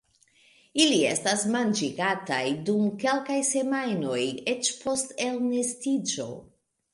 Ili estas manĝigataj dum kelkaj semajnoj eĉ post elnestiĝo.